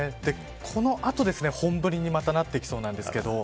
この後、本降りにまたなってきそうなんですけど。